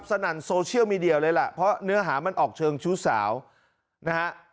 นั่นโซเชียลมีเดียเลยล่ะเพราะเนื้อหามันออกเชิงชู้สาวนะฮะ